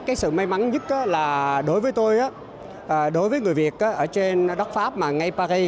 cái sự may mắn nhất là đối với tôi đối với người việt ở trên đất pháp mà ngay paris